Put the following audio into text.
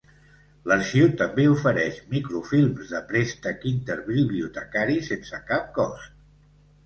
L'arxiu també ofereix microfilms de préstec interbibliotecari sense cap cost.